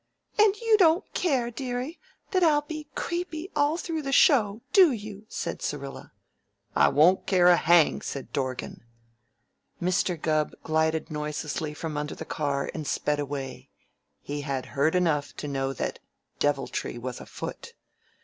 "And you don't care, dearie, that I'll be creepy all through the show, do you?" said Syrilla. "I won't care a hang," said Dorgan. Mr. Gubb glided noiselessly from under the car and sped away. He had heard enough to know that deviltry was afoot.